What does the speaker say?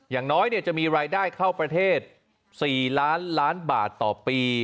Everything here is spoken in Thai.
อย่างน้อยจะมีรายได้เข้าประเทศ๔ล้านล้านบาทต่อปี